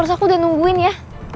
aku sudah nungguin ya